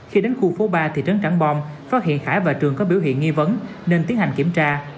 khi đến khu phố ba thị trấn trảng bom phát hiện khải và trường có biểu hiện nghi vấn nên tiến hành kiểm tra